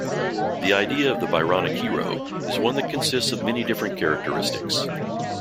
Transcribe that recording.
The idea of the Byronic hero is one that consists of many different characteristics.